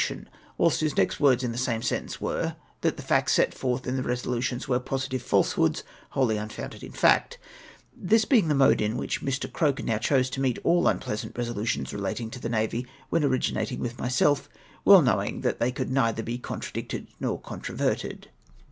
201 tion ; whilst liis next words in tlie same sentence were, that the facts set forth in tlie resolutions were positive falsehoods, " loliolly unfounded in fact I " This being the mode in Avliich ]\ii\ Croker now chose to meet all unpleasant resolutions relating to the navy when ori ginating with myself, well knowing that thei/ could neither be contradicted nor controverted